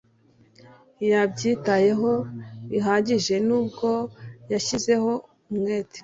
ntiyabyitayeho bihagije nubwo yashyizeho umwete.